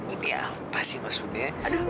ini apa sih maksudnya